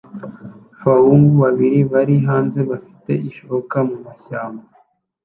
Abahungu babiri bari hanze bafite ishoka mumashyamba